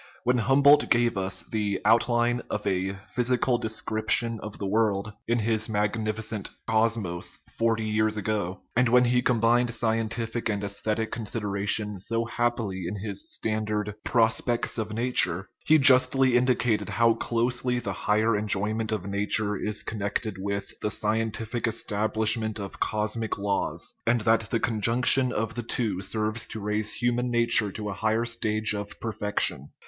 When Humboldt gave us the " outline of a physical description of the world " in his magnifi cent Cosmos forty years ago, and when he combined 343 THE RIDDLE OF THE UNIVERSE scientific and aesthetic consideration so happily in his standard Prospects of Nature, he justly indicated how closely the higher enjoyment of nature is connected with the " scientific establishment of cosmic laws/' and that the conjunction of the two serves to raise human nature to a higher stage of perfection.